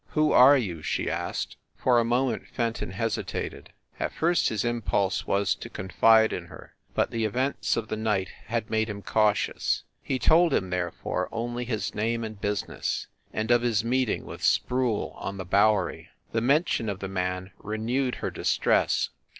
"Who are you?" she asked. For a moment Fenton hesitated. At first his im pulse was to confide in her, but the events of the night had made him cautious. He told her, there fore, only his name and business, and of his meeting with Sproule on the Bowery. The mention of the man renewed her distress.